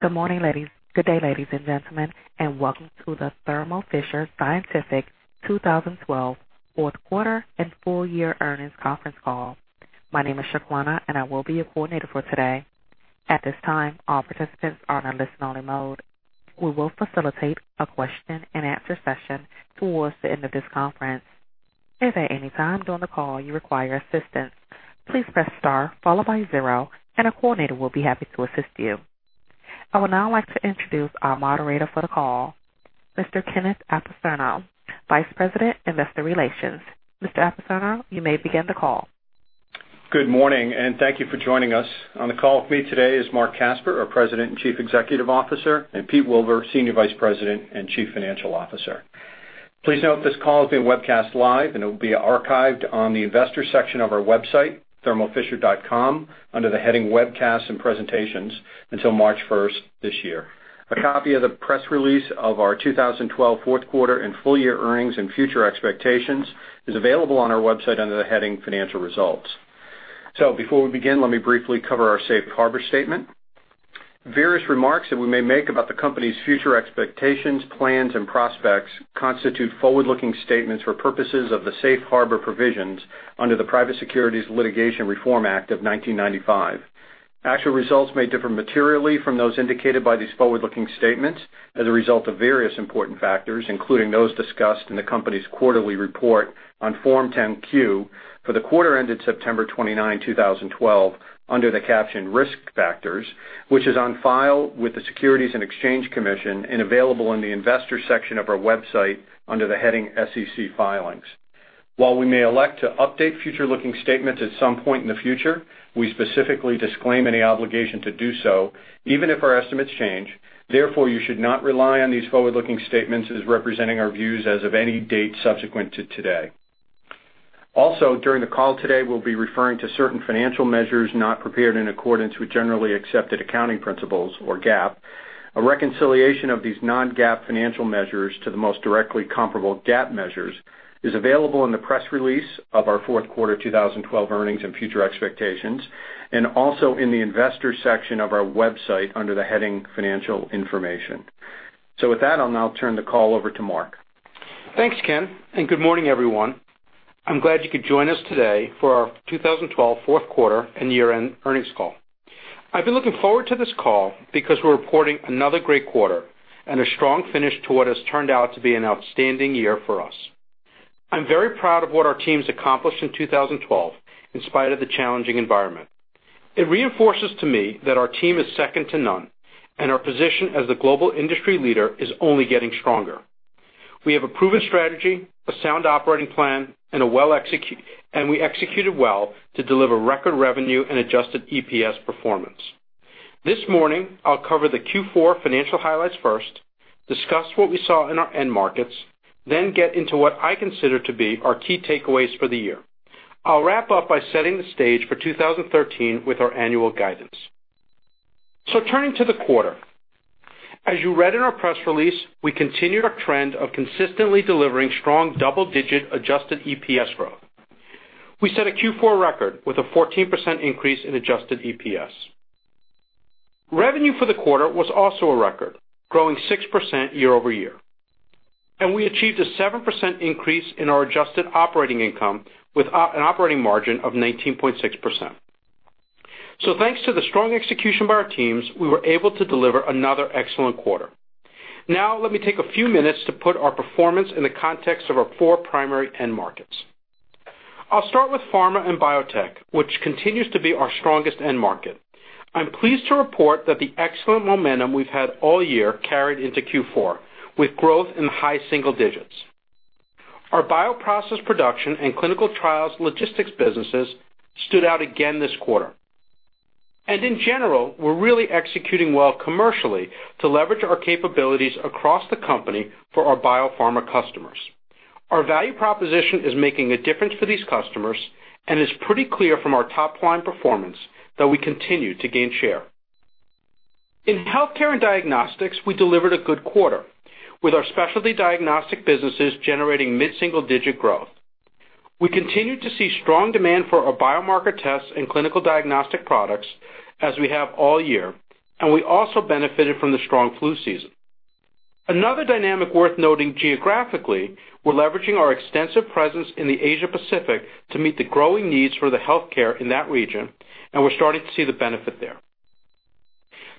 Good morning, ladies. Good day, ladies and gentlemen, and welcome to the Thermo Fisher Scientific 2012 fourth quarter and full year earnings conference call. My name is Shaquana, and I will be your coordinator for today. At this time, all participants are in a listen-only mode. We will facilitate a question and answer session towards the end of this conference. If at any time during the call you require assistance, please press star followed by zero, and a coordinator will be happy to assist you. I would now like to introduce our moderator for the call, Mr. Kenneth Apicerno, Vice President, Investor Relations. Mr. Apicerno, you may begin the call. Good morning, thank you for joining us. On the call with me today is Marc Casper, our President and Chief Executive Officer, Peter Wilver, Senior Vice President and Chief Financial Officer. Please note this call is being webcast live, it will be archived on the investor section of our website, thermofisher.com, under the heading Webcasts and Presentations until March 1st this year. A copy of the press release of our 2012 fourth quarter and full year earnings and future expectations is available on our website under the heading Financial Results. Before we begin, let me briefly cover our safe harbor statement. Various remarks that we may make about the company's future expectations, plans, and prospects constitute forward-looking statements for purposes of the safe harbor provisions under the Private Securities Litigation Reform Act of 1995. Actual results may differ materially from those indicated by these forward-looking statements as a result of various important factors, including those discussed in the company's quarterly report on Form 10-Q for the quarter ended September 29, 2012, under the caption Risk Factors, which is on file with the Securities and Exchange Commission and available in the Investor section of our website under the heading SEC Filings. While we may elect to update future-looking statements at some point in the future, we specifically disclaim any obligation to do so, even if our estimates change. Therefore, you should not rely on these forward-looking statements as representing our views as of any date subsequent to today. Also, during the call today, we'll be referring to certain financial measures not prepared in accordance with generally accepted accounting principles, or GAAP. A reconciliation of these non-GAAP financial measures to the most directly comparable GAAP measures is available in the press release of our fourth quarter 2012 earnings and future expectations, also in the Investor section of our website under the heading Financial Information. With that, I'll now turn the call over to Marc. Thanks, Ken, Good morning, everyone. I'm glad you could join us today for our 2012 fourth quarter and year-end earnings call. I've been looking forward to this call because we're reporting another great quarter and a strong finish to what has turned out to be an outstanding year for us. I'm very proud of what our team's accomplished in 2012, in spite of the challenging environment. It reinforces to me that our team is second to none, and our position as the global industry leader is only getting stronger. We have a proven strategy, a sound operating plan, We executed well to deliver record revenue and adjusted EPS performance. This morning, I'll cover the Q4 financial highlights first, discuss what I saw in our end markets, Get into what I consider to be our key takeaways for the year. I'll wrap up by setting the stage for 2013 with our annual guidance. Turning to the quarter. As you read in our press release, we continued our trend of consistently delivering strong double-digit adjusted EPS growth. We set a Q4 record with a 14% increase in adjusted EPS. Revenue for the quarter was also a record, growing 6% year-over-year. We achieved a 7% increase in our adjusted operating income with an operating margin of 19.6%. Thanks to the strong execution by our teams, we were able to deliver another excellent quarter. Now, let me take a few minutes to put our performance in the context of our four primary end markets. I'll start with pharma and biotech, which continues to be our strongest end market. I'm pleased to report that the excellent momentum we've had all year carried into Q4, with growth in high single digits. Our bioprocess production and clinical trials logistics businesses stood out again this quarter. In general, we're really executing well commercially to leverage our capabilities across the company for our biopharma customers. Our value proposition is making a difference for these customers Is pretty clear from our top-line performance that we continue to gain share. In healthcare and diagnostics, we delivered a good quarter, with our specialty diagnostic businesses generating mid-single-digit growth. We continued to see strong demand for our biomarker tests and clinical diagnostic products, as we have all year, We also benefited from the strong flu season. Another dynamic worth noting geographically, we're leveraging our extensive presence in the Asia Pacific to meet the growing needs for the healthcare in that region, We're starting to see the benefit there.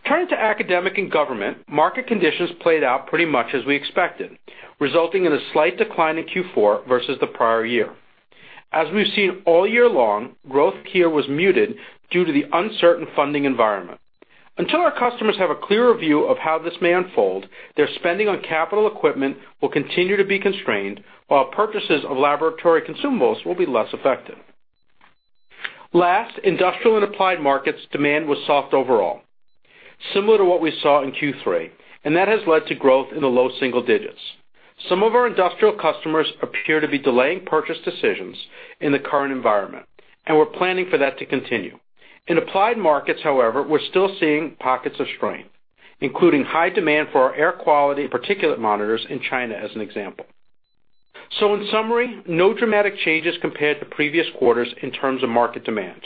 Turning to academic and government, market conditions played out pretty much as we expected, resulting in a slight decline in Q4 versus the prior year. As we've seen all year long, growth here was muted due to the uncertain funding environment. Until our customers have a clearer view of how this may unfold, their spending on capital equipment will continue to be constrained, while purchases of laboratory consumables will be less affected. Last, industrial and applied markets demand was soft overall, similar to what we saw in Q3, That has led to growth in the low single digits. We're planning for that to continue. In applied markets, however, we're still seeing pockets of strength, including high demand for our air quality particulate monitors in China, as an example. In summary, no dramatic changes compared to previous quarters in terms of market demand.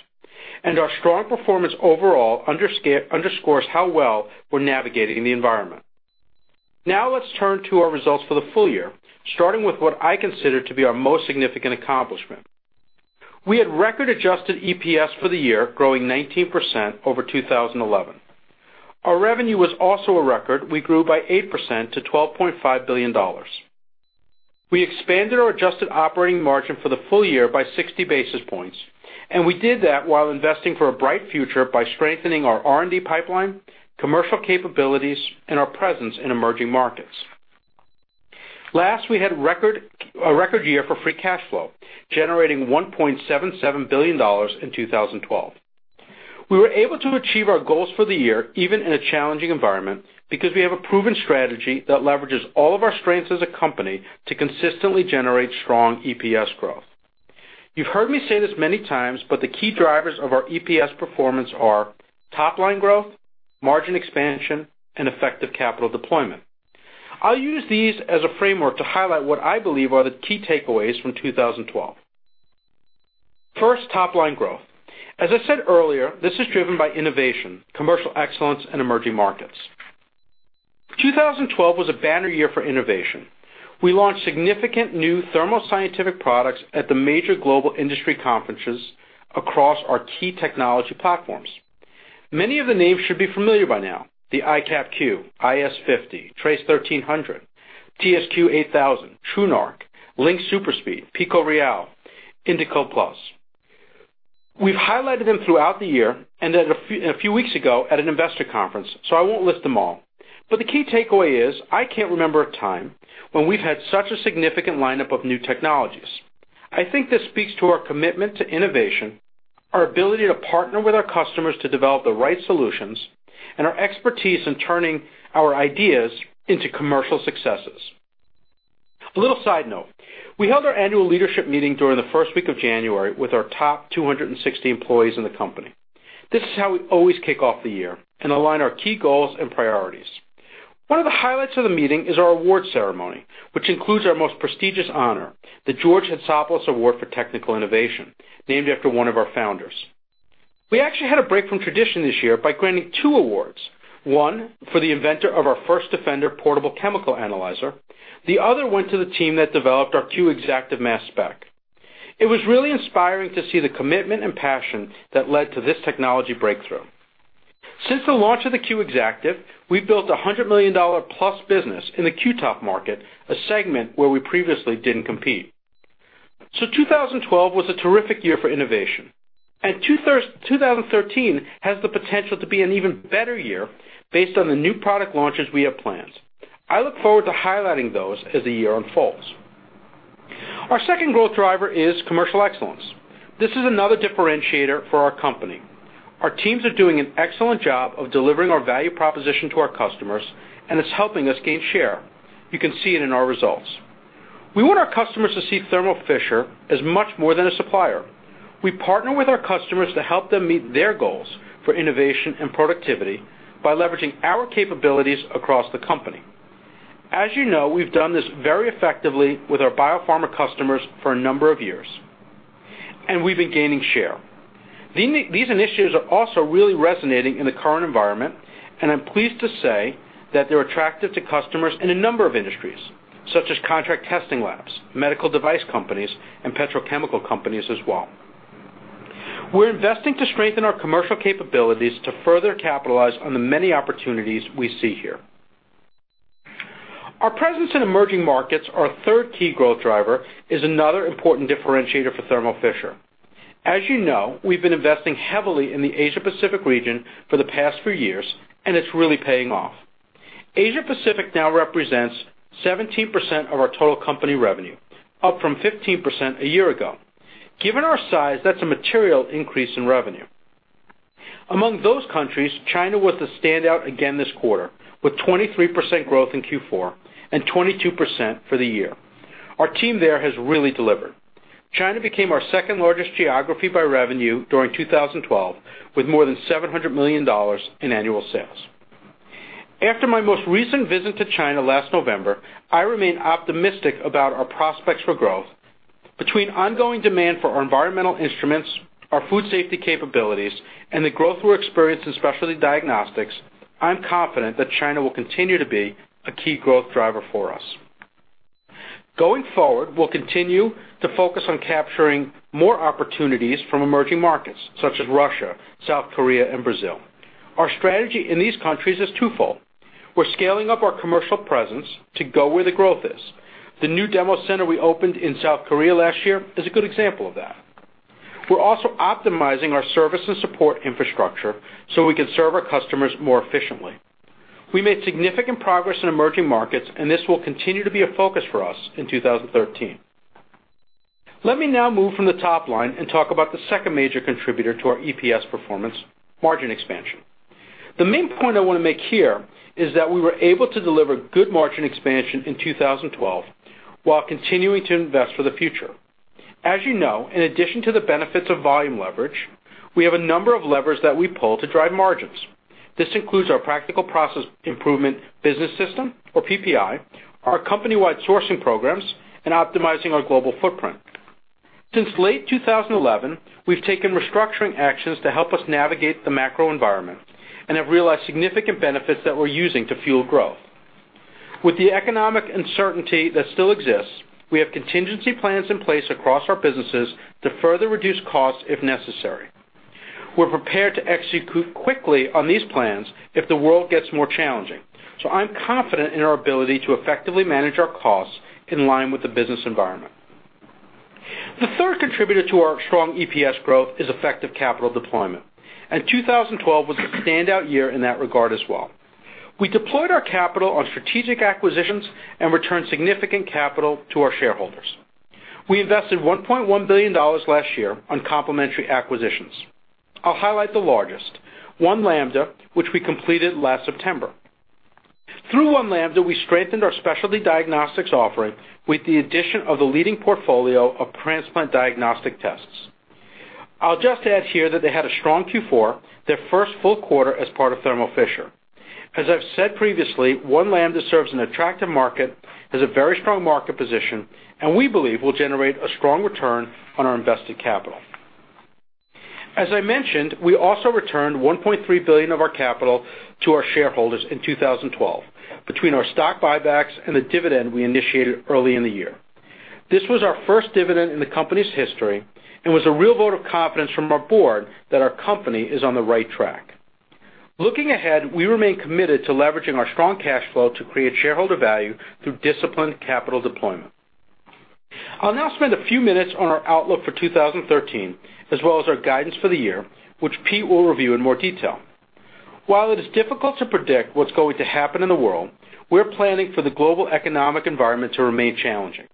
Our strong performance overall underscores how well we're navigating the environment. Let's turn to our results for the full year, starting with what I consider to be our most significant accomplishment. We had record adjusted EPS for the year, growing 19% over 2011. Our revenue was also a record. We grew by 8% to $12.5 billion. We expanded our adjusted operating margin for the full year by 60 basis points. We did that while investing for a bright future by strengthening our R&D pipeline, commercial capabilities, and our presence in emerging markets. Last, we had a record year for free cash flow, generating $1.77 billion in 2012. We were able to achieve our goals for the year, even in a challenging environment, because we have a proven strategy that leverages all of our strengths as a company to consistently generate strong EPS growth. The key drivers of our EPS performance are top line growth, margin expansion, and effective capital deployment. I'll use these as a framework to highlight what I believe are the key takeaways from 2012. First, top line growth. As I said earlier, this is driven by innovation, commercial excellence, and emerging markets. 2012 was a banner year for innovation. We launched significant new Thermo Scientific products at the major global industry conferences across our key technology platforms. Many of the names should be familiar by now: the iCAP Q, iS50, TRACE 1300, TSQ 8000, TruNarc, LYNX SuperSpeed, PikoReal, Indiko Plus. We've highlighted them throughout the year and a few weeks ago at an investor conference. I won't list them all. The key takeaway is I can't remember a time when we've had such a significant lineup of new technologies. I think this speaks to our commitment to innovation, our ability to partner with our customers to develop the right solutions, and our expertise in turning our ideas into commercial successes. A little side note: We held our annual leadership meeting during the first week of January with our top 260 employees in the company. This is how we always kick off the year and align our key goals and priorities. One of the highlights of the meeting is our award ceremony, which includes our most prestigious honor, the George Hatsopoulos Award for Technical Innovation, named after one of our founders. We actually had a break from tradition this year by granting two awards. One for the inventor of our FirstDefender portable chemical analyzer. The other went to the team that developed our Q Exactive mass spec. It was really inspiring to see the commitment and passion that led to this technology breakthrough. Since the launch of the Q Exactive, we've built a $100 million+ business in the Q-TOF market, a segment where we previously didn't compete. 2012 was a terrific year for innovation. 2013 has the potential to be an even better year based on the new product launches we have planned. I look forward to highlighting those as the year unfolds. Our second growth driver is commercial excellence. This is another differentiator for our company. Our teams are doing an excellent job of delivering our value proposition to our customers, and it's helping us gain share. You can see it in our results. We want our customers to see Thermo Fisher as much more than a supplier. We partner with our customers to help them meet their goals for innovation and productivity by leveraging our capabilities across the company. As you know, we've done this very effectively with our biopharma customers for a number of years, and we've been gaining share. These initiatives are also really resonating in the current environment. I'm pleased to say that they're attractive to customers in a number of industries, such as contract testing labs, medical device companies, petrochemical companies as well. We're investing to strengthen our commercial capabilities to further capitalize on the many opportunities we see here. Our presence in emerging markets, our third key growth driver, is another important differentiator for Thermo Fisher. As you know, we've been investing heavily in the Asia Pacific region for the past few years. It's really paying off. Asia Pacific now represents 17% of our total company revenue, up from 15% a year ago. Given our size, that's a material increase in revenue. Among those countries, China was the standout again this quarter, with 23% growth in Q4 and 22% for the year. Our team there has really delivered. China became our second largest geography by revenue during 2012, with more than $700 million in annual sales. After my most recent visit to China last November, I remain optimistic about our prospects for growth. Between ongoing demand for our environmental instruments, our food safety capabilities, and the growth we're experiencing specialty diagnostics, I'm confident that China will continue to be a key growth driver for us. Going forward, we'll continue to focus on capturing more opportunities from emerging markets, such as Russia, South Korea, and Brazil. Our strategy in these countries is twofold. We're scaling up our commercial presence to go where the growth is. The new demo center we opened in South Korea last year is a good example of that. We're also optimizing our service and support infrastructure so we can serve our customers more efficiently. We made significant progress in emerging markets. This will continue to be a focus for us in 2013. Let me now move from the top line and talk about the second major contributor to our EPS performance: margin expansion. The main point I want to make here is that we were able to deliver good margin expansion in 2012 while continuing to invest for the future. As you know, in addition to the benefits of volume leverage, we have a number of levers that we pull to drive margins. This includes our Practical Process Improvement business system, or PPI, our company-wide sourcing programs, optimizing our global footprint. Since late 2011, we've taken restructuring actions to help us navigate the macro environment and have realized significant benefits that we're using to fuel growth. With the economic uncertainty that still exists, we have contingency plans in place across our businesses to further reduce costs if necessary. We're prepared to execute quickly on these plans if the world gets more challenging. I'm confident in our ability to effectively manage our costs in line with the business environment. The third contributor to our strong EPS growth is effective capital deployment, and 2012 was a standout year in that regard as well. We deployed our capital on strategic acquisitions and returned significant capital to our shareholders. We invested $1.1 billion last year on complementary acquisitions. I'll highlight the largest, One Lambda, which we completed last September. Through One Lambda, we strengthened our specialty diagnostics offering with the addition of the leading portfolio of transplant diagnostic tests. I'll just add here that they had a strong Q4, their first full quarter as part of Thermo Fisher. As I've said previously, One Lambda serves an attractive market, has a very strong market position, and we believe will generate a strong return on our invested capital. As I mentioned, we also returned $1.3 billion of our capital to our shareholders in 2012 between our stock buybacks and the dividend we initiated early in the year. This was our first dividend in the company's history and was a real vote of confidence from our board that our company is on the right track. Looking ahead, we remain committed to leveraging our strong cash flow to create shareholder value through disciplined capital deployment. I'll now spend a few minutes on our outlook for 2013 as well as our guidance for the year, which Pete will review in more detail. While it is difficult to predict what's going to happen in the world, we're planning for the global economic environment to remain challenging.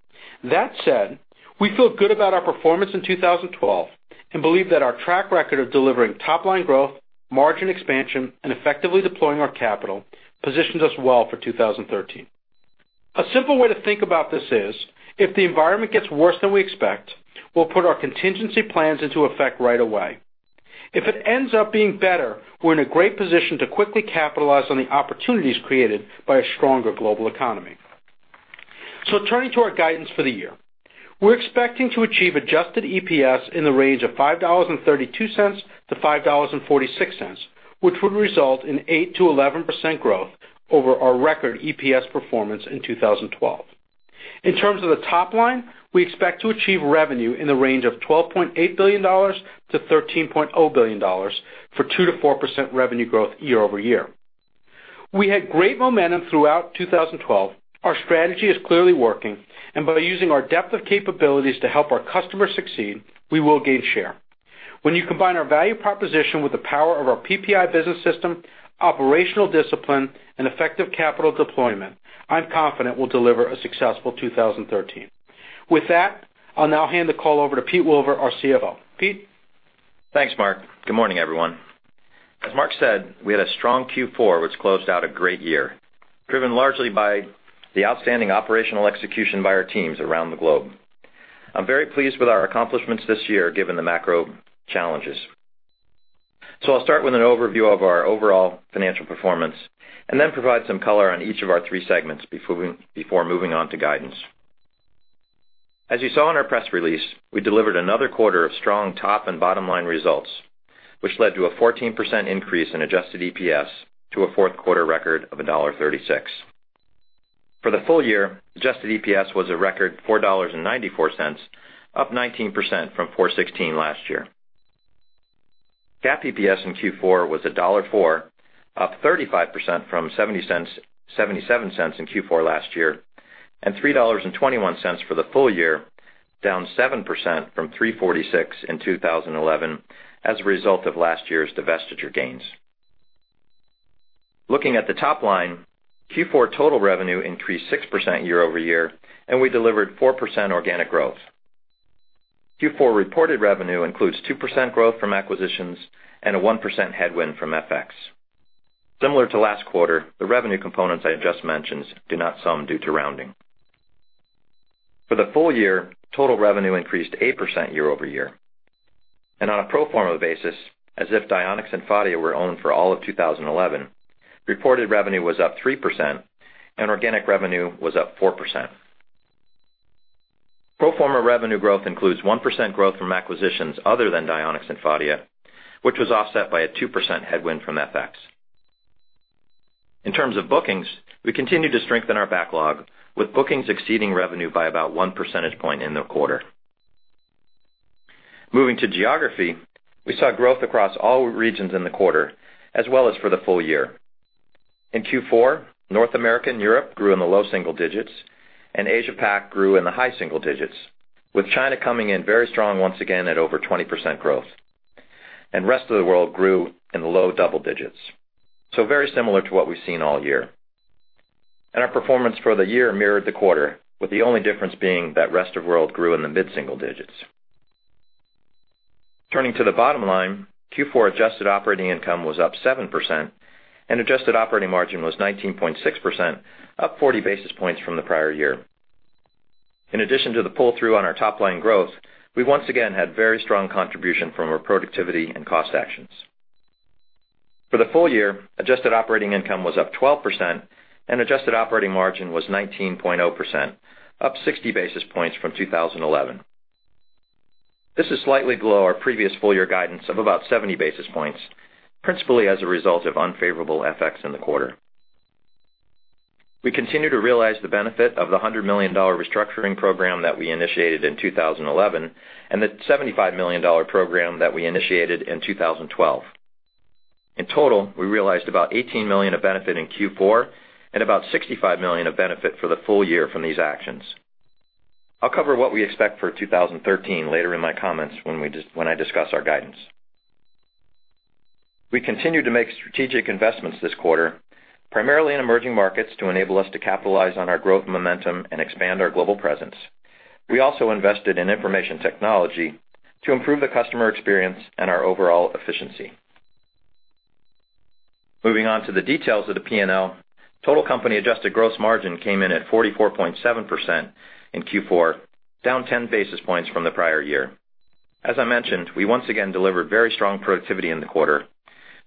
That said, we feel good about our performance in 2012 and believe that our track record of delivering top-line growth, margin expansion, and effectively deploying our capital positions us well for 2013. A simple way to think about this is, if the environment gets worse than we expect, we'll put our contingency plans into effect right away. If it ends up being better, we're in a great position to quickly capitalize on the opportunities created by a stronger global economy. Turning to our guidance for the year. We're expecting to achieve adjusted EPS in the range of $5.32 to $5.46, which would result in 8%-11% growth over our record EPS performance in 2012. In terms of the top line, we expect to achieve revenue in the range of $12.8 billion to $13.0 billion for 2%-4% revenue growth year-over-year. We had great momentum throughout 2012. Our strategy is clearly working, and by using our depth of capabilities to help our customers succeed, we will gain share. When you combine our value proposition with the power of our PPI business system, operational discipline, and effective capital deployment, I'm confident we'll deliver a successful 2013. With that, I'll now hand the call over to Pete Wilver, our CFO. Pete? Thanks, Marc. Good morning, everyone. As Marc said, we had a strong Q4, which closed out a great year, driven largely by the outstanding operational execution by our teams around the globe. I'm very pleased with our accomplishments this year, given the macro challenges. I'll start with an overview of our overall financial performance. Then provide some color on each of our three segments before moving on to guidance. As you saw in our press release, we delivered another quarter of strong top and bottom line results, which led to a 14% increase in adjusted EPS to a fourth quarter record of $1.36. For the full year, adjusted EPS was a record $4.94, up 19% from $4.16 last year. GAAP EPS in Q4 was $1.04, up 35% from $0.77 in Q4 last year, $3.21 for the full year, down 7% from $3.46 in 2011 as a result of last year's divestiture gains. Looking at the top line, Q4 total revenue increased 6% year-over-year. We delivered 4% organic growth. Q4 reported revenue includes 2% growth from acquisitions and a 1% headwind from FX. Similar to last quarter, the revenue components I just mentioned do not sum due to rounding. For the full year, total revenue increased 8% year-over-year. On a pro forma basis, as if Dionex and Phadia were owned for all of 2011, reported revenue was up 3% and organic revenue was up 4%. Pro forma revenue growth includes 1% growth from acquisitions other than Dionex and Phadia, which was offset by a 2% headwind from FX. In terms of bookings, we continued to strengthen our backlog with bookings exceeding revenue by about one percentage point in the quarter. Moving to geography, we saw growth across all regions in the quarter as well as for the full year. In Q4, North America and Europe grew in the low single digits. Asia PAC grew in the high single digits, with China coming in very strong once again at over 20% growth. Rest of the world grew in the low double digits. Very similar to what we've seen all year. Our performance for the year mirrored the quarter, with the only difference being that rest of world grew in the mid-single digits. Turning to the bottom line, Q4 adjusted operating income was up 7%, and adjusted operating margin was 19.6%, up 40 basis points from the prior year. In addition to the pull-through on our top-line growth, we once again had very strong contribution from our productivity and cost actions. For the full year, adjusted operating income was up 12%. Adjusted operating margin was 19.0%, up 60 basis points from 2011. This is slightly below our previous full-year guidance of about 70 basis points, principally as a result of unfavorable FX in the quarter. We continue to realize the benefit of the $100 million restructuring program that we initiated in 2011 and the $75 million program that we initiated in 2012. In total, we realized about $18 million of benefit in Q4 and about $65 million of benefit for the full year from these actions. I'll cover what we expect for 2013 later in my comments when I discuss our guidance. We continued to make strategic investments this quarter, primarily in emerging markets, to enable us to capitalize on our growth momentum and expand our global presence. We also invested in information technology to improve the customer experience and our overall efficiency. Moving on to the details of the P&L, total company adjusted gross margin came in at 44.7% in Q4, down 10 basis points from the prior year. As I mentioned, we once again delivered very strong productivity in the quarter,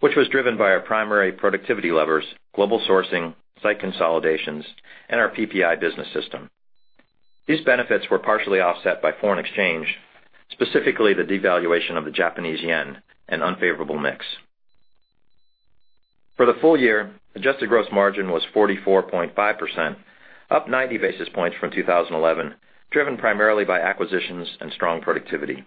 which was driven by our primary productivity levers: global sourcing, site consolidations, and our PPI business system. These benefits were partially offset by foreign exchange, specifically the devaluation of the Japanese yen and unfavorable mix. For the full year, adjusted gross margin was 44.5%, up 90 basis points from 2011, driven primarily by acquisitions and strong productivity.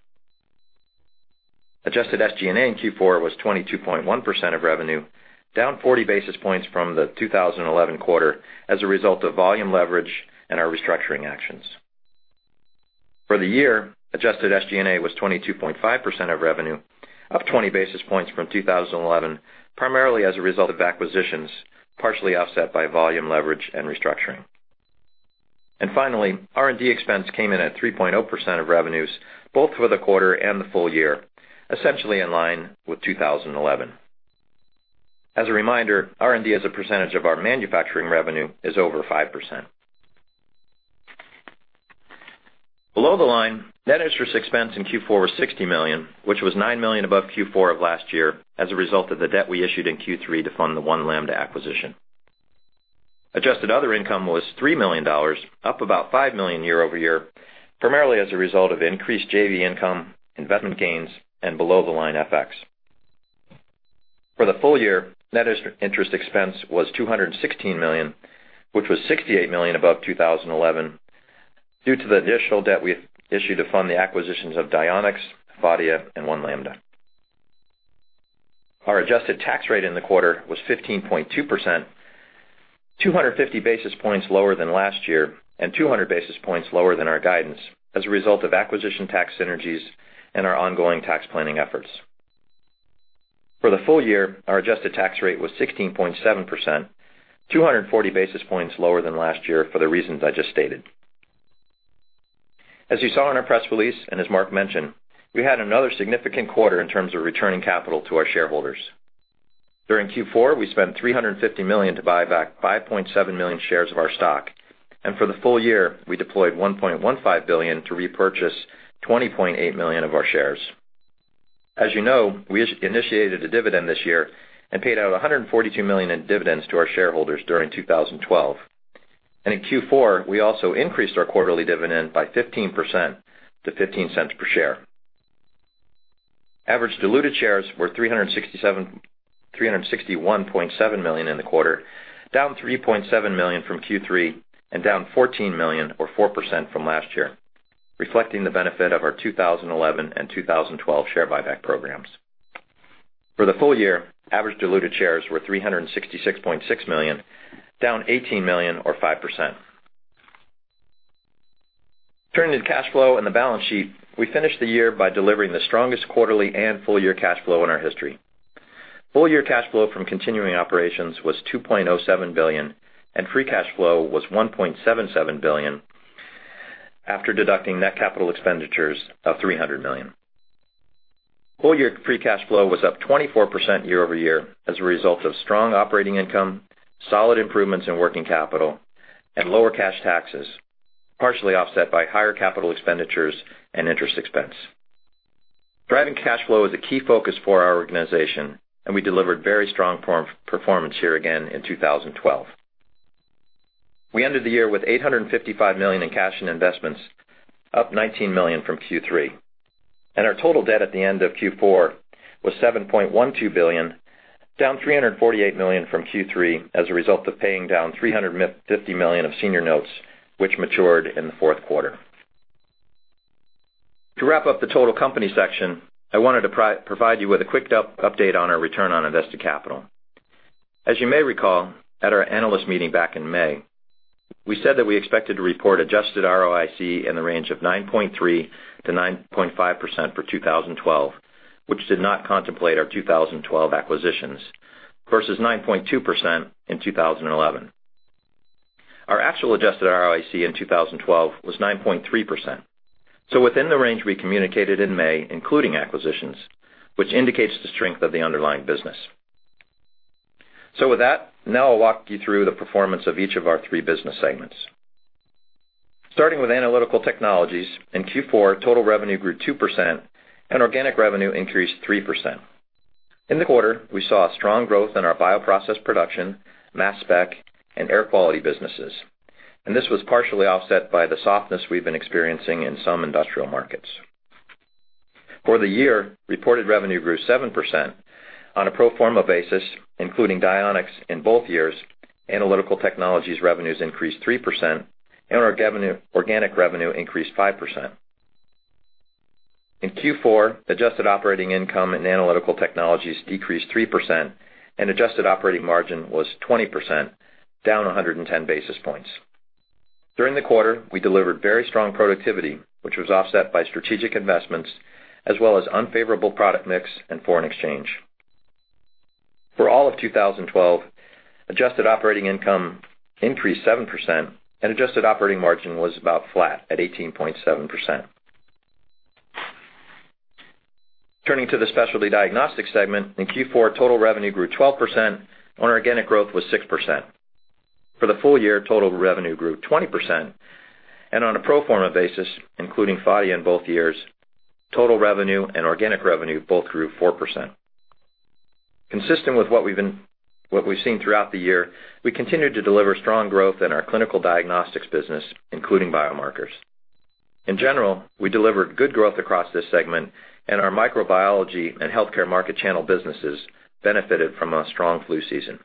Adjusted SG&A in Q4 was 22.1% of revenue, down 40 basis points from the 2011 quarter as a result of volume leverage and our restructuring actions. For the year, adjusted SG&A was 22.5% of revenue, up 20 basis points from 2011, primarily as a result of acquisitions, partially offset by volume leverage and restructuring. Finally, R&D expense came in at 3.0% of revenues both for the quarter and the full year, essentially in line with 2011. As a reminder, R&D as a percentage of our manufacturing revenue is over 5%. Below the line, net interest expense in Q4 was $60 million, which was $9 million above Q4 of last year as a result of the debt we issued in Q3 to fund the One Lambda acquisition. Adjusted other income was $3 million, up about $5 million year-over-year, primarily as a result of increased JV income, investment gains, and below-the-line FX. For the full year, net interest expense was $216 million, which was $68 million above 2011 due to the additional debt we issued to fund the acquisitions of Dionex, Phadia, and One Lambda. Our adjusted tax rate in the quarter was 15.2%, 250 basis points lower than last year and 200 basis points lower than our guidance as a result of acquisition tax synergies and our ongoing tax planning efforts. For the full year, our adjusted tax rate was 16.7%, 240 basis points lower than last year for the reasons I just stated. As you saw in our press release, and as Marc mentioned, we had another significant quarter in terms of returning capital to our shareholders. During Q4, we spent $350 million to buy back 5.7 million shares of our stock. For the full year, we deployed $1.15 billion to repurchase 20.8 million of our shares. As you know, we initiated a dividend this year and paid out $142 million in dividends to our shareholders during 2012. In Q4, we also increased our quarterly dividend by 15% to $0.15 per share. Average diluted shares were 361.7 million in the quarter, down 3.7 million from Q3 and down 14 million or 4% from last year, reflecting the benefit of our 2011 and 2012 share buyback programs. For the full year, average diluted shares were 366.6 million, down 18 million or 5%. Turning to the cash flow and the balance sheet, we finished the year by delivering the strongest quarterly and full-year cash flow in our history. Full-year cash flow from continuing operations was $2.07 billion, and free cash flow was $1.77 billion after deducting net capital expenditures of $300 million. Full-year free cash flow was up 24% year-over-year as a result of strong operating income, solid improvements in working capital, and lower cash taxes, partially offset by higher capital expenditures and interest expense. Driving cash flow is a key focus for our organization, and we delivered very strong performance here again in 2012. We ended the year with $855 million in cash and investments, up $19 million from Q3, and our total debt at the end of Q4 was $7.12 billion, down $348 million from Q3 as a result of paying down $350 million of senior notes, which matured in the fourth quarter. To wrap up the total company section, I wanted to provide you with a quick update on our return on invested capital. As you may recall, at our analyst meeting back in May, we said that we expected to report adjusted ROIC in the range of 9.3%-9.5% for 2012, which did not contemplate our 2012 acquisitions, versus 9.2% in 2011. Our actual adjusted ROIC in 2012 was 9.3%, within the range we communicated in May, including acquisitions, which indicates the strength of the underlying business. With that, now I'll walk you through the performance of each of our three business segments. Starting with analytical technologies, in Q4, total revenue grew 2% and organic revenue increased 3%. In the quarter, we saw a strong growth in our bioprocess production, mass spec, and air quality businesses. This was partially offset by the softness we've been experiencing in some industrial markets. For the year, reported revenue grew 7% on a pro forma basis, including Dionex in both years, analytical technologies revenues increased 3%, and our organic revenue increased 5%. In Q4, adjusted operating income and analytical technologies decreased 3%, and adjusted operating margin was 20%, down 110 basis points. During the quarter, we delivered very strong productivity, which was offset by strategic investments as well as unfavorable product mix and foreign exchange. For all of 2012, adjusted operating income increased 7% and adjusted operating margin was about flat at 18.7%. Turning to the specialty diagnostics segment. In Q4, total revenue grew 12% and organic growth was 6%. For the full year, total revenue grew 20%. On a pro forma basis, including Phadia in both years, total revenue and organic revenue both grew 4%. Consistent with what we've seen throughout the year, we continued to deliver strong growth in our clinical diagnostics business, including biomarkers. In general, we delivered good growth across this segment, and our microbiology and healthcare market channel businesses benefited from a strong flu season.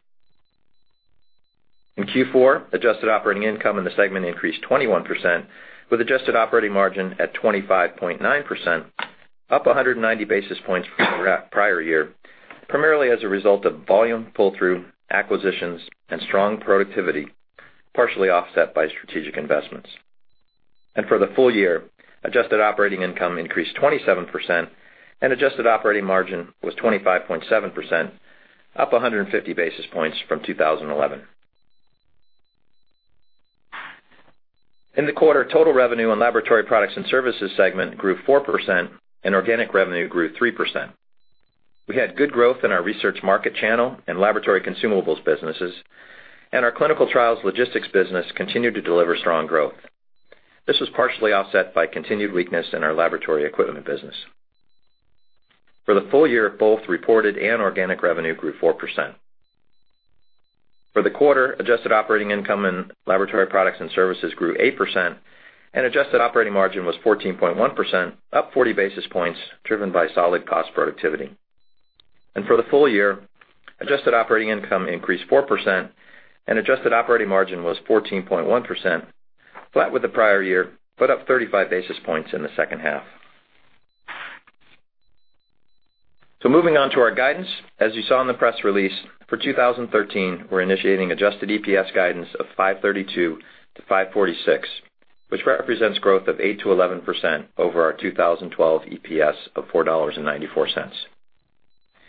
In Q4, adjusted operating income in the segment increased 21%, with adjusted operating margin at 25.9%, up 190 basis points from the prior year, primarily as a result of volume pull-through, acquisitions, and strong productivity, partially offset by strategic investments. For the full year, adjusted operating income increased 27% and adjusted operating margin was 25.7%, up 150 basis points from 2011. In the quarter, total revenue on laboratory products and services segment grew 4% and organic revenue grew 3%. We had good growth in our research market channel and laboratory consumables businesses, and our clinical trials logistics business continued to deliver strong growth. This was partially offset by continued weakness in our laboratory equipment business. For the full year, both reported and organic revenue grew 4%. For the quarter, adjusted operating income and laboratory products and services grew 8% and adjusted operating margin was 14.1%, up 40 basis points driven by solid cost productivity. For the full year, adjusted operating income increased 4% and adjusted operating margin was 14.1%, flat with the prior year, but up 35 basis points in the second half. Moving on to our guidance. As you saw in the press release, for 2013, we're initiating adjusted EPS guidance of $5.32-$5.46, which represents growth of 8%-11% over our 2012 EPS of $4.94.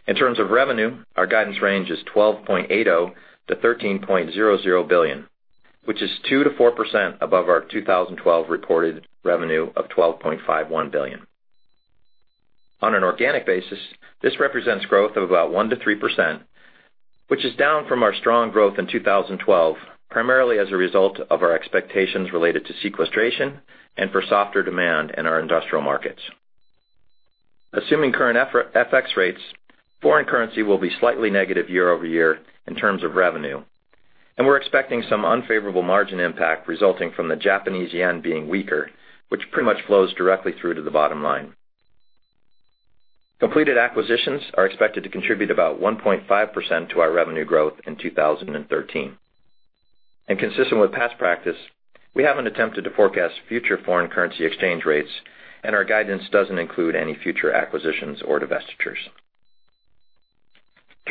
In terms of revenue, our guidance range is $12.80 billion-$13.00 billion, which is 2%-4% above our 2012 reported revenue of $12.51 billion. On an organic basis, this represents growth of about 1%-3%, which is down from our strong growth in 2012, primarily as a result of our expectations related to sequestration and for softer demand in our industrial markets. Assuming current FX rates, foreign currency will be slightly negative year-over-year in terms of revenue. We're expecting some unfavorable margin impact resulting from the Japanese yen being weaker, which pretty much flows directly through to the bottom line. Completed acquisitions are expected to contribute about 1.5% to our revenue growth in 2013. Consistent with past practice, we haven't attempted to forecast future foreign currency exchange rates, and our guidance doesn't include any future acquisitions or divestitures.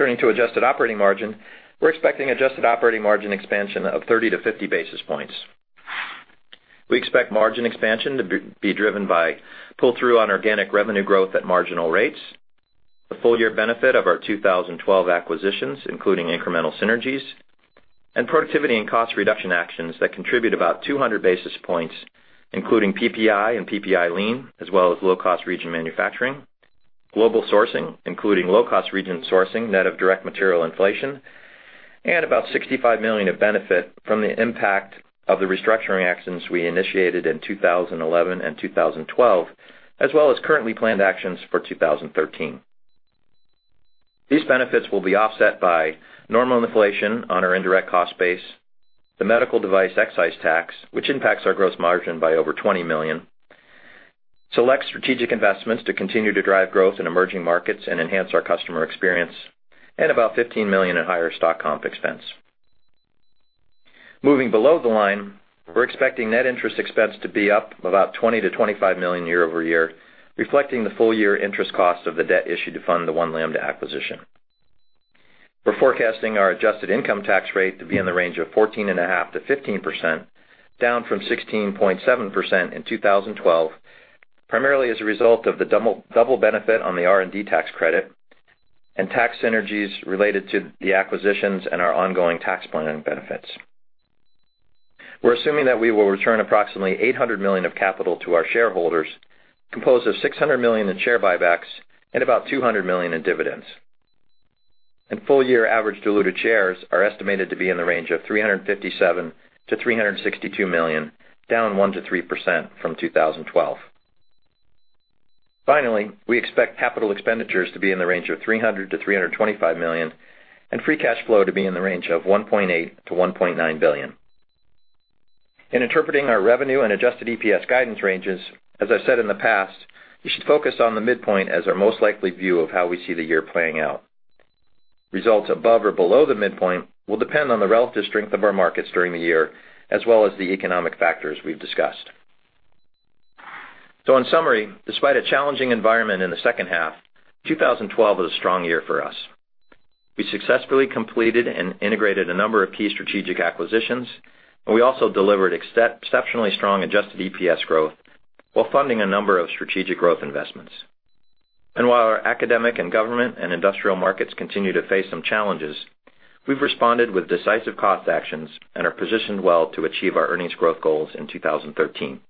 Turning to adjusted operating margin. We're expecting adjusted operating margin expansion of 30-50 basis points. We expect margin expansion to be driven by pull-through on organic revenue growth at marginal rates, the full year benefit of our 2012 acquisitions, including incremental synergies, and productivity and cost reduction actions that contribute about 200 basis points, including PPI and PPI Lean, as well as low-cost region manufacturing, global sourcing, including low-cost region sourcing net of direct material inflation, and about $65 million of benefit from the impact of the restructuring actions we initiated in 2011 and 2012, as well as currently planned actions for 2013. These benefits will be offset by normal inflation on our indirect cost base, the medical device excise tax, which impacts our gross margin by over $20 million, select strategic investments to continue to drive growth in emerging markets and enhance our customer experience, and about $15 million in higher stock comp expense. Moving below the line, we're expecting net interest expense to be up about $20 million-$25 million year-over-year, reflecting the full year interest cost of the debt issued to fund the One Lambda acquisition. We're forecasting our adjusted income tax rate to be in the range of 14.5%-15%, down from 16.7% in 2012, primarily as a result of the double benefit on the R&D tax credit. Tax synergies related to the acquisitions and our ongoing tax planning benefits. We're assuming that we will return approximately $800 million of capital to our shareholders, composed of $600 million in share buybacks and about $200 million in dividends. Full year average diluted shares are estimated to be in the range of 357 million-362 million, down 1%-3% from 2012. Finally, we expect capital expenditures to be in the range of $300 million-$325 million and free cash flow to be in the range of $1.8 billion-$1.9 billion. In interpreting our revenue and adjusted EPS guidance ranges, as I've said in the past, you should focus on the midpoint as our most likely view of how we see the year playing out. Results above or below the midpoint will depend on the relative strength of our markets during the year, as well as the economic factors we've discussed. In summary, despite a challenging environment in the second half, 2012 was a strong year for us. We successfully completed and integrated a number of key strategic acquisitions, and we also delivered exceptionally strong adjusted EPS growth while funding a number of strategic growth investments. While our academic and government and industrial markets continue to face some challenges, we've responded with decisive cost actions and are positioned well to achieve our earnings growth goals in 2013.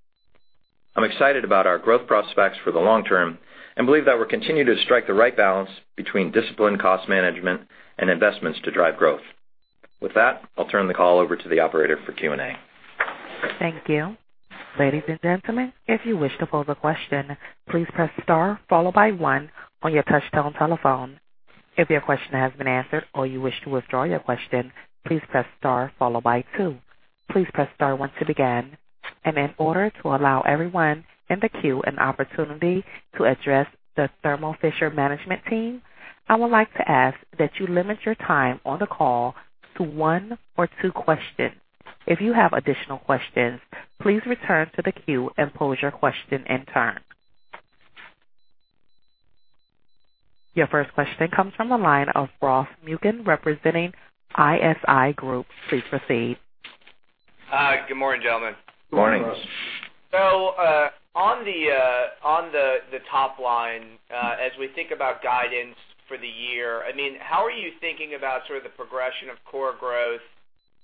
I'm excited about our growth prospects for the long term and believe that we'll continue to strike the right balance between disciplined cost management and investments to drive growth. With that, I'll turn the call over to the operator for Q&A. Thank you. Ladies and gentlemen, if you wish to pose a question, please press star followed by 1 on your touchtone telephone. If your question has been answered or you wish to withdraw your question, please press star followed by 2. Please press star 1 to begin. In order to allow everyone in the queue an opportunity to address the Thermo Fisher management team, I would like to ask that you limit your time on the call to one or two questions. If you have additional questions, please return to the queue and pose your question in turn. Your first question comes from the line of Ross Muken representing ISI Group. Please proceed. Hi. Good morning, gentlemen. Good morning. Good morning. On the top line, as we think about guidance for the year, how are you thinking about sort of the progression of core growth,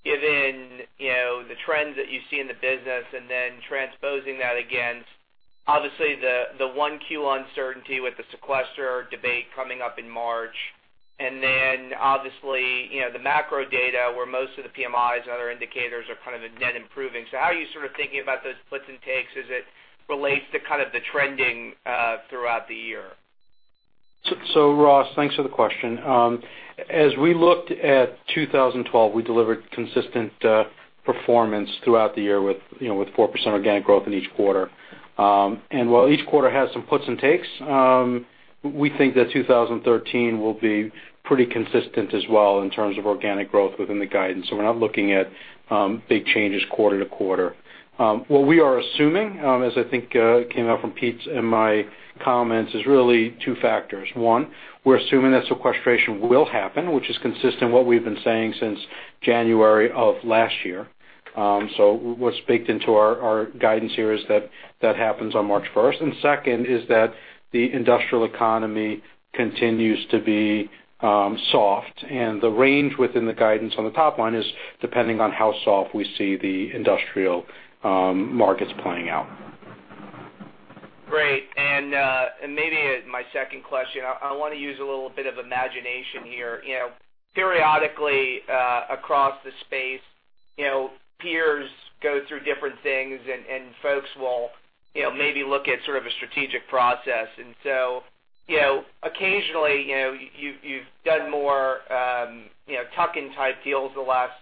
given the trends that you see in the business and then transposing that against, obviously, the 1Q uncertainty with the sequester debate coming up in March? Obviously, the macro data where most of the PMI and other indicators are kind of net improving. How are you sort of thinking about those puts and takes as it relates to kind of the trending throughout the year? Ross, thanks for the question. As we looked at 2012, we delivered consistent performance throughout the year with 4% organic growth in each quarter. While each quarter has some puts and takes, we think that 2013 will be pretty consistent as well in terms of organic growth within the guidance. We're not looking at big changes quarter to quarter. What we are assuming, as I think came out from Pete's and my comments, is really two factors. One, we're assuming that sequestration will happen, which is consistent with what we've been saying since January of last year. What's baked into our guidance here is that that happens on March 1st. Second is that the industrial economy continues to be soft, and the range within the guidance on the top line is depending on how soft we see the industrial markets playing out. Great. Maybe my second question, I want to use a little bit of imagination here. Periodically across the space, peers go through different things and folks will maybe look at sort of a strategic process. Occasionally, you've done more tuck-in type deals the last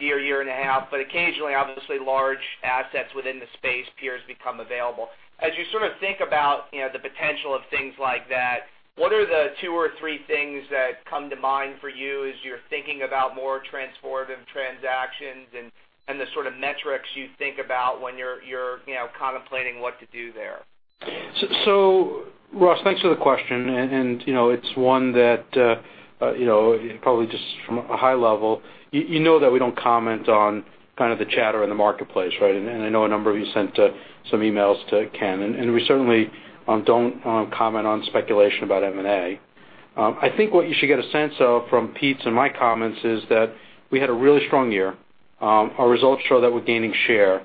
year and a half. Occasionally, obviously, large assets within the space peers become available. As you sort of think about the potential of things like that, what are the two or three things that come to mind for you as you're thinking about more transformative transactions and the sort of metrics you think about when you're contemplating what to do there? Ross Muken, thanks for the question. It's one that probably just from a high level, you know that we don't comment on kind of the chatter in the marketplace, right? I know a number of you sent some emails to Ken, and we certainly don't comment on speculation about M&A. I think what you should get a sense of from Pete's and my comments is that we had a really strong year. Our results show that we're gaining share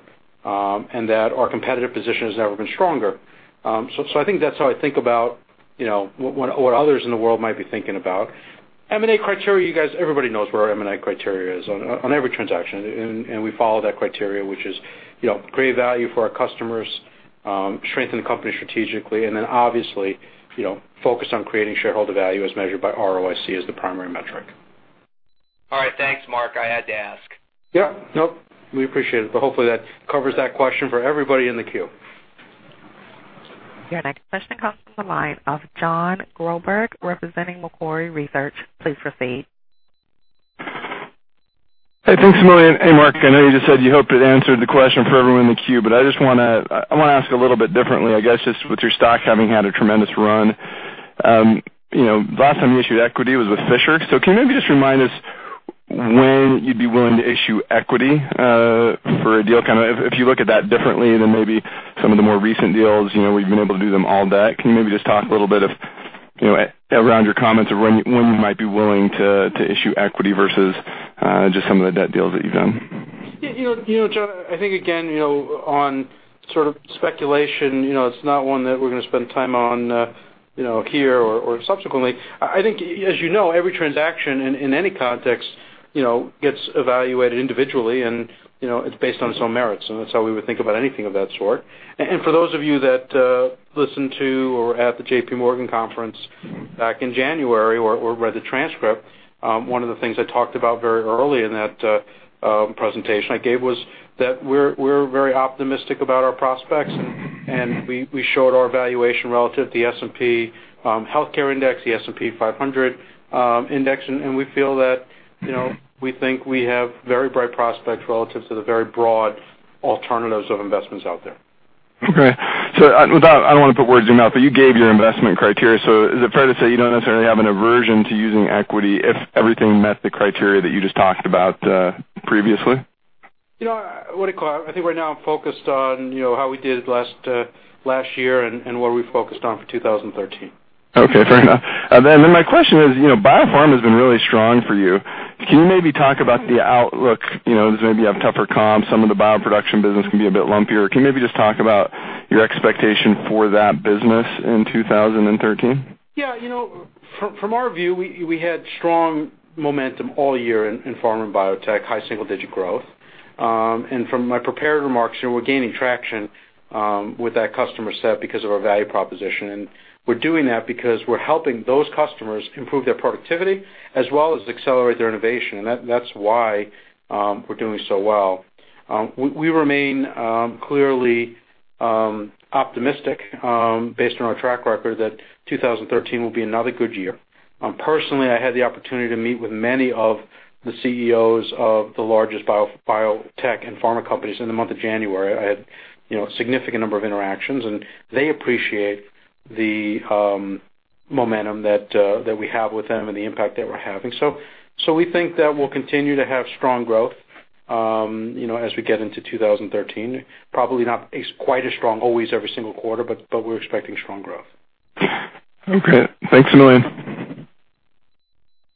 and that our competitive position has never been stronger. I think that's how I think about what others in the world might be thinking about. M&A criteria, you guys, everybody knows where our M&A criteria is on every transaction. We follow that criteria, which is create value for our customers, strengthen the company strategically, obviously focus on creating shareholder value as measured by ROIC as the primary metric. All right. Thanks, Marc. I had to ask. Yep. Nope, we appreciate it. Hopefully, that covers that question for everybody in the queue. Your next question comes from the line of Jon Groberg representing Macquarie Research. Please proceed. Hey, thanks a million. Hey, Marc. I know you just said you hoped it answered the question for everyone in the queue, I want to ask a little bit differently, I guess, just with your stock having had a tremendous run. Last time you issued equity was with Fisher. Can you maybe just remind us when you'd be willing to issue equity for a deal? If you look at that differently than maybe some of the more recent deals where you've been able to do them all debt. Can you maybe just talk a little bit around your comments of when you might be willing to issue equity versus just some of the debt deals that you've done? Jon, I think, again, on speculation, it's not one that we're going to spend time on here or subsequently. I think, as you know, every transaction in any context gets evaluated individually, and it's based on some merits, and that's how we would think about anything of that sort. For those of you that listened to or were at the JP Morgan conference back in January or read the transcript, one of the things I talked about very early in that presentation I gave was that we're very optimistic about our prospects, and we showed our valuation relative to the S&P 500 Health Care Index, the S&P 500 Index, and we feel that we think we have very bright prospects relative to the very broad alternatives of investments out there. I don't want to put words in your mouth, but you gave your investment criteria. Is it fair to say you don't necessarily have an aversion to using equity if everything met the criteria that you just talked about previously? What do you call it? I think right now I'm focused on how we did last year and what we're focused on for 2013. Okay, fair enough. My question is, biopharm has been really strong for you. Can you maybe talk about the outlook? There's maybe you have tougher comps. Some of the bioproduction business can be a bit lumpier. Can you maybe just talk about your expectation for that business in 2013? Yeah. From our view, we had strong momentum all year in pharma and biotech, high single-digit growth. From my prepared remarks, we're gaining traction with that customer set because of our value proposition. We're doing that because we're helping those customers improve their productivity as well as accelerate their innovation. That's why we're doing so well. We remain clearly optimistic based on our track record that 2013 will be another good year. Personally, I had the opportunity to meet with many of the CEOs of the largest biotech and pharma companies in the month of January. I had a significant number of interactions, and they appreciate the momentum that we have with them and the impact that we're having. We think that we'll continue to have strong growth as we get into 2013. Probably not quite as strong always every single quarter, but we're expecting strong growth. Okay, thanks a million.